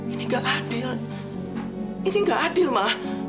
ini gak adil ini gak adil ma